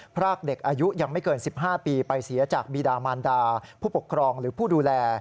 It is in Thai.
พรากเด็กอายุยังไม่เกิน๑๕ปีไปเสียจากบีดามานดาผู้ปกครองหรือผู้ดูแล